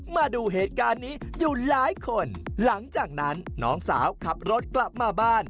มาดูเหตุการณ์นี้อยู่หลายคนหลังจากนั้นน้องสาวขับรถกลับมาบ้าน